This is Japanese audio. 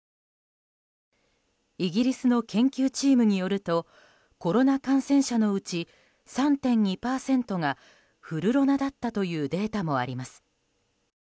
イギリスの研究チームによるとコロナ感染者のうち３．２％がフルロナだったというデータもあります。